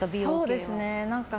そうですね。